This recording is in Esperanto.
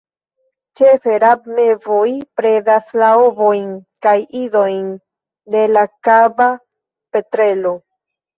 Ĉefe rabmevoj predas la ovojn kaj idojn de la Kaba petrelo.